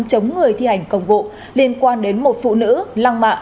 chống người thi hành công vụ liên quan đến một phụ nữ lăng mạ